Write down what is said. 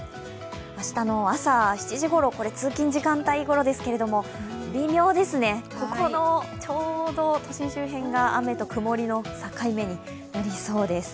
明日の朝７時ごろ、通勤時間帯ですけれども微妙ですね、ここのちょうど都心周辺が雨と曇りの境目になりそうです。